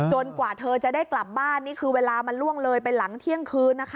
กว่าเธอจะได้กลับบ้านนี่คือเวลามันล่วงเลยไปหลังเที่ยงคืนนะคะ